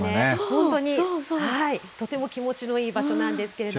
本当に、とても気持ちのいい場所なんですけれども。